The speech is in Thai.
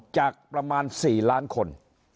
จากประมาณ๔ล้านคน